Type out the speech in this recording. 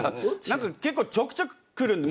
結構ちょくちょく来る。